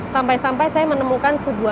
sampai sampai saya menemukan salah satu kisah